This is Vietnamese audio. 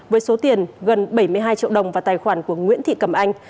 với số tiền gần bảy mươi hai triệu đồng vào tài khoản của nguyễn thị cẩm anh